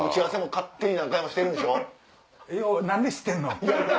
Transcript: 何で知ってんの？